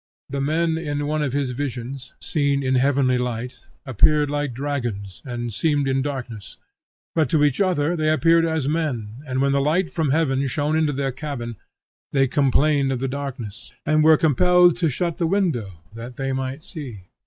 The men in one of his visions, seen in heavenly light, appeared like dragons, and seemed in darkness; but to each other they appeared as men, and when the light from heaven shone into their cabin, they complained of the darkness, and were compelled to shut the window that they might see.